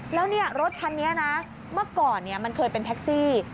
แล้วรถคันนี้นะเมื่อก่อนมันเคยเป็นแท็กซี่